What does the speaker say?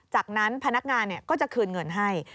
จากนั้นพนักงานก็จะคืนเงินให้